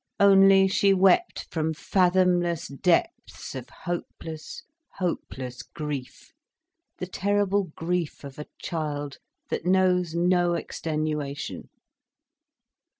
Only she wept from fathomless depths of hopeless, hopeless grief, the terrible grief of a child, that knows no extenuation.